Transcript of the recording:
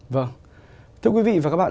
vâng thưa quý vị và các bạn